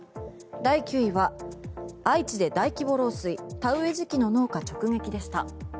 第９位は愛知で大規模漏水田植え時期の農家直撃でした。